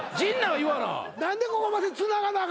何でここまでつながなあ